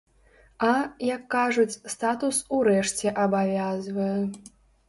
А, як кажуць, статус урэшце абавязвае.